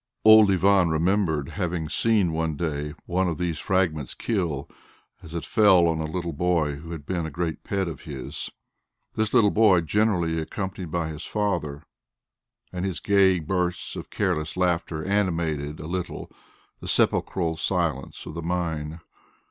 Old Ivan remembered having seen one day one of these fragments kill as it fell a little boy who had been a great pet of his. This little boy generally accompanied his father, and his gay bursts of careless laughter animated a little the sepulchral silence of the mine.